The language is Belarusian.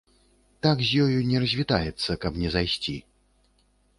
Так з ёю не развітаецца, каб не зайсці.